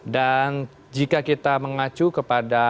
dan jika kita mengacu kepada